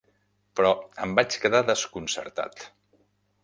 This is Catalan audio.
Però em vaig quedar desconcertat.